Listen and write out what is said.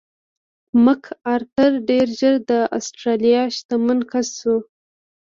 مک ارتر ډېر ژر د اسټرالیا شتمن کس شو.